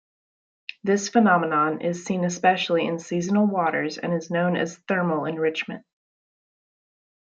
This phenomenon is seen especially in seasonal waters and is known as thermal enrichment.